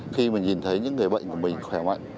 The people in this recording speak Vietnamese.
khi mình nhìn thấy những người bệnh của mình